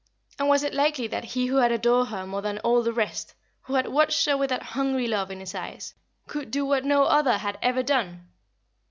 And was it likely that he who had adored her more than all the rest, who had watched her with that hungry love in his eyes, could do what no other had ever done?